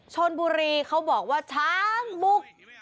ชนบุรีเขาบอกว่าช้างบุก